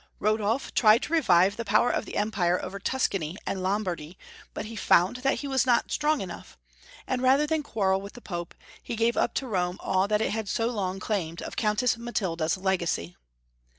Rodolf tried to revive the power of the Empire over Tuscany and Lombardy, but he found that he was not strong enough ; and rather than quarrel with the Pope, he gave up to Rome all that it had so long claimed of Countess Matilda's legacy.